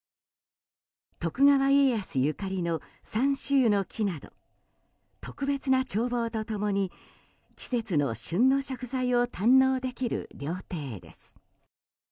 徳川家康ゆかりのサンシュユの木など特別な眺望と共に季節な旬の食材を堪能できる料亭です。